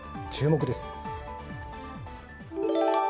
注目です。